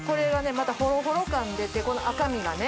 またほろほろ感出てこの赤身がね。